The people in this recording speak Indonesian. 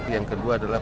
yang kedua adalah